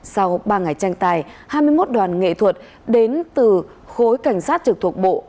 sau ba ngày tranh tài hai mươi một đoàn nghệ thuật đến từ khối cảnh sát trực thuộc bộ